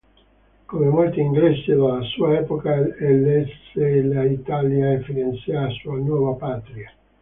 Come molti inglesi della sua epoca elesse l'Italia e Firenze a sua nuova patria.